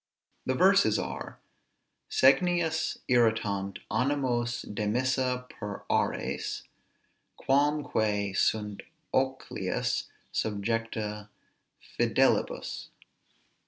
The verses are, Segnius irritant animos demissa per aures, Quam quæ sunt oculis subjecta fidelibus.